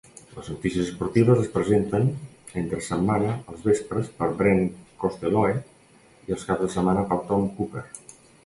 Les notícies esportives es presenten entre setmana els vespres per Brent Costelloe i els caps de setmana per Tom Cooper.